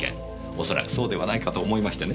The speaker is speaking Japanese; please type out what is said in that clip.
恐らくそうではないかと思いましてね。